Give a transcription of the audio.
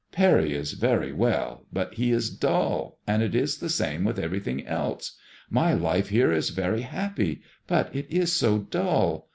" Parry is very well, but he is dull, and it is the same with eveiything else. My life here is very happy, but it is so dull.